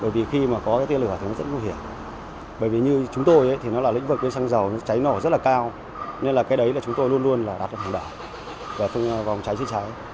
bởi vì như chúng tôi thì nó là lĩnh vực biến xăng dầu nó cháy nổ rất là cao nên là cái đấy là chúng tôi luôn luôn là đặt vào phòng đảo và không vòng cháy chứ cháy